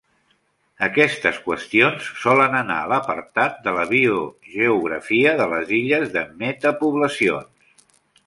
Aquestes qüestions solen anar a l'apartat de la biogeografia de les illes de metapoblacions.